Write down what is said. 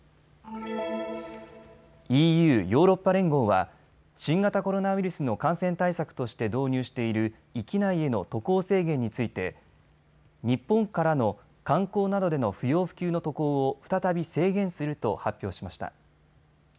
ＥＵ・ヨーロッパ連合は新型コロナウイルスの感染対策として導入している域内への渡航制限について日本からの観光などでの不要不急の渡航を再び制限すると発表しました。